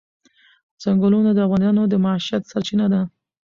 ځنګلونه د افغانانو د معیشت سرچینه ده.